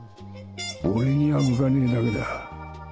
俺には向かねえだけだ。